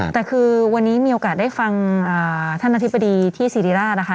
แต่คือวันนี้มีโอกาสได้ฟังท่านอธิบดีที่สิริราชนะคะ